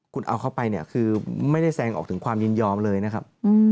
คุณเอาเขาไปเนี่ยคือไม่ได้แซงออกถึงความยินยอมเลยนะครับ